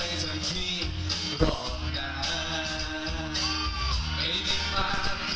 ขอเสียงให้เกอร์ลี่กันด้วย